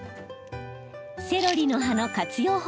セロリの葉の活用